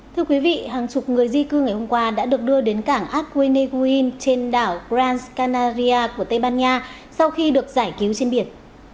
thưa quý vị hàng chục người di cư ngày hôm qua đã được đưa đến cảng aguineguin trên đảo gran canaria của tây ban nha sau khi được giải cứu trên biển